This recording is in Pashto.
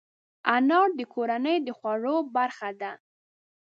انار د کورنۍ د خوړو برخه ده.